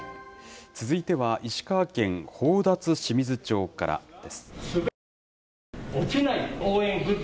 続いては、石川県宝達志水町からです。